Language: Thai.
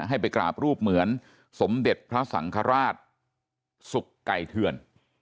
ให้ไปกราบรูปเหมือนสมเด็จพระสังฆราชสุขไก่เถื่อน